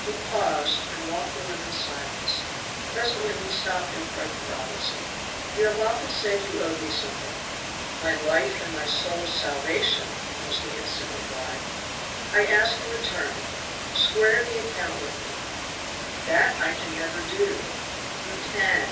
He paused and walked the room in silence. Presently he stopped in front of Robinson. "You have often said you owed me something." "My life and my soul's salvation," was the instant reply. "I ask a return; square the account with me." "That I can never do." "You can!